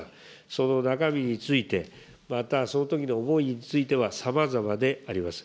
その中身について、またそのときの思いについては、さまざまであります。